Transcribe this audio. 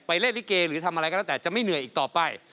เล่นลิเกหรือทำอะไรก็แล้วแต่จะไม่เหนื่อยอีกต่อไป